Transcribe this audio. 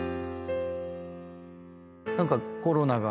何かコロナが。